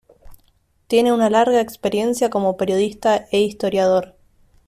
Tiene una larga experiencia como periodista e historiador.